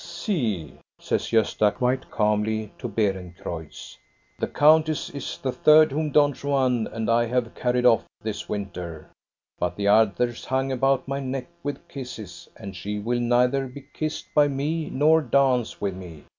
"See," says Gosta quite calmly to Beerencreutz, "the countess is the third whom Don Juan and I have carried off this winter. But the others hung about my neck with kisses, and she will neither be kissed by me nor dance with me.